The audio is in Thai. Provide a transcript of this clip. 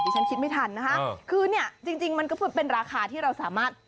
ฉันคิดไม่ทันนะคะคือเนี่ยจริงมันก็เป็นราคาที่เราสามารถ